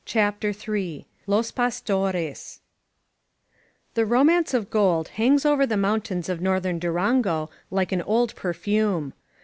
CHAPTER ni LOS PASTORES THE romance of gold hangs over the mountains of Northern Durango like an old perfume.